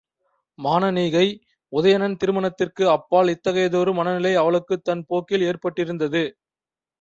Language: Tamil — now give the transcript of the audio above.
மானனீகை, உதயணன் திருமணத்திற்கு அப்பால் இத்தகையதொரு மனநிலை அவளுக்குத் தன் போக்கில் ஏற்பட்டிருந்தது.